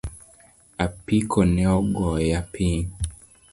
Apiko neogoya piny